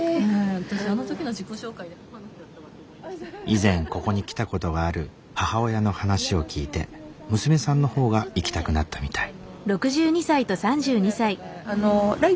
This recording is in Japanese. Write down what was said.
以前ここに来たことがある母親の話を聞いて娘さんの方が行きたくなったみたい。